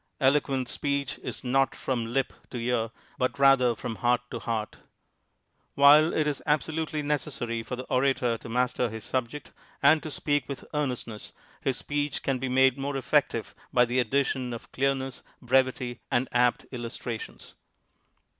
Eloquent speech is not from lip to ear, but rather from lnuirt tc heart. "While it is absolutely necessary for the oratoi to master his subject and to speak with earnest INTRODUCTION ness, his speech can he made more effective by the addition of clean 3ss, brevity and apt illus trations.